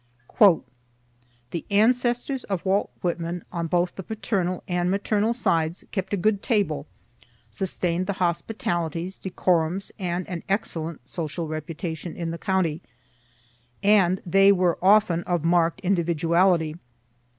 "The ancestors of Walt Whitman, on both the paternal and maternal sides, kept a good table, sustained the hospitalities, decorums, and an excellent social reputation in the county, and they were often of mark'd individuality.